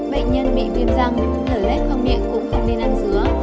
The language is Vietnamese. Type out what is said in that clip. bệnh nhân bị viêm răng thở lét không miệng cũng không nên ăn dứa